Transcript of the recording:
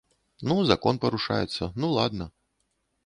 Ну, закон парушаецца, ну ладна.